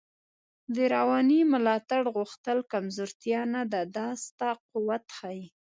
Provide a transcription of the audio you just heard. د روانی ملاتړ غوښتل کمزوتیا نده، دا ستا قوت ښایی